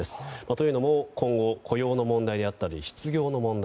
というのも今後雇用の問題であったり失業の問題